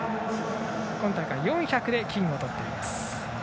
今大会４００で金をとっています。